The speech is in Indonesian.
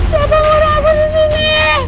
siapa ngurang aku di sini